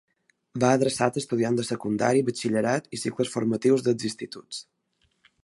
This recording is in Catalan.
Va adreçat a estudiants de secundària, batxillerat i cicles formatius dels instituts.